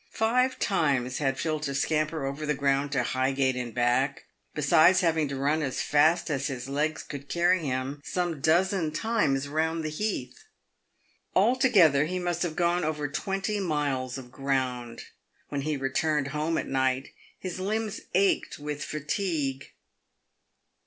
Five times had Phil to scamper over the ground to Highgate and back, besides having to run as fast as his legs could carry him some dozen times round the heath. Altogether he must have gone over twenty miles of ground. When he returned home at night, his limbs ached with fatigue.